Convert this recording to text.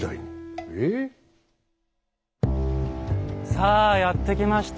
さあやって来ました